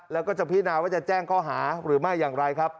แล้วก็จะพินาว่าจะแจ้งข้อหาหรือไม่อย่างไรครับ